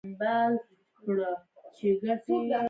د خوږو یادونو خوند زړونو ته تسل ورکوي.